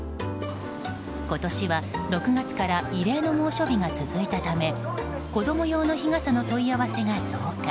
今年は６月から異例の猛暑日が続いたため子供用の日傘の問い合わせが増加。